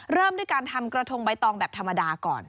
เริ่มด้วยการทำกระทงใบตองแบบธรรมดาก่อน